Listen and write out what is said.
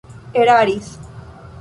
eraris